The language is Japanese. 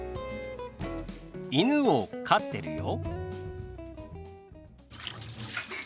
「犬を飼ってるよ」。